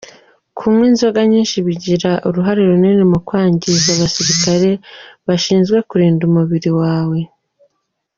Kunywa inzoga nyinshi bigira uruhare runini mu kwangiza abasirikare bashinzwe kurinda umubiri wawe.